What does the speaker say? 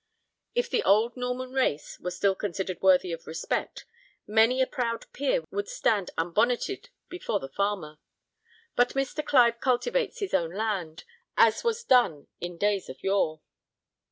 If the old Norman race were still considered worthy of respect, many a proud peer would stand unbonneted before the farmer. But Mr. Clive cultivates his own land, as was done in days of yore."